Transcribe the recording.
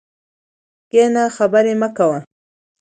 کښېنه خبري مه کوه!